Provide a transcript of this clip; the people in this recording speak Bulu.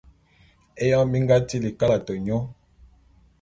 Éyoñ bi nga tili kalate nyô.